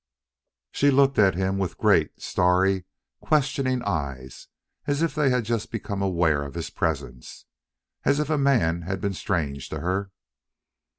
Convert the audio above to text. She looked at him with great, starry, questioning eyes, as if they had just become aware of his presence, as if a man had been strange to her.